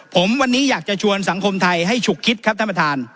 ผมวันนี้อยากจะชวนสังคมไทยให้ฉุกคิดครับท่านประธาน